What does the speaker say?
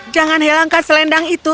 jangan hilangkan selendang itu